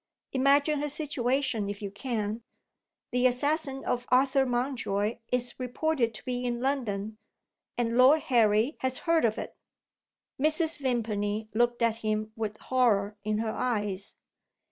Imagine her situation if you can! The assassin of Arthur Mountjoy is reported to be in London; and Lord Harry has heard of it." Mrs. Vimpany looked at him with horror in her eyes.